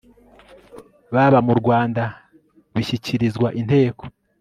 baba mu rwanda bishyikirizwa inteko